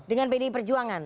dengan pdi perjuangan